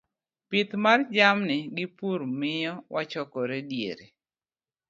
Pith mar jamni gi pur miyo wakonyore diere